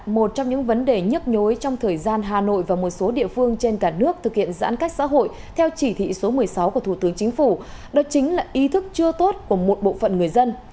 một trong những vấn đề nhức nhối trong thời gian hà nội và một số địa phương trên cả nước thực hiện giãn cách xã hội theo chỉ thị số một mươi sáu của thủ tướng chính phủ đó chính là ý thức chưa tốt của một bộ phận người dân